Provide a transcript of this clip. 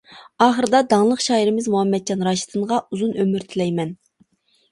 ئاخىرىدا داڭلىق شائىرىمىز مۇھەممەتجان راشىدىنغا ئۇزۇن ئۆمۈر تىلەيمەن!